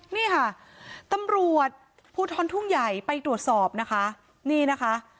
นี่ค่ะตำรวจภูทรทุ่งใหญ่ไปตรวจสอบนะคะนี่นะคะ